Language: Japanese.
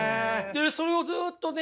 それをずっとね